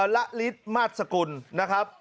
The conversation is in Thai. ละลิตรมาสกุลนะครับ